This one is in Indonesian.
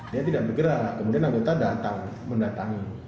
dia tidak bergerak kemudian anggota datang mendatangi